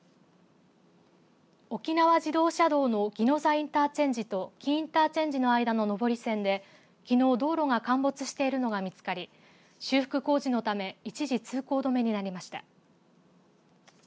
沖縄自動車道の宜野座インターチェンジと金武インターチェンジの間の上り線で、きのう道路が陥没しているのが見つかり修復工事のため一時、通行止めになりました。